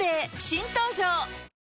新登場